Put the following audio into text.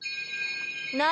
何？